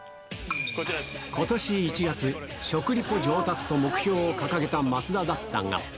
ことし１月、食リポ上達と目標を掲げた増田だったが。